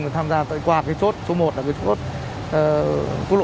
để tham gia qua cái chốt số một là cái chốt của lộ hai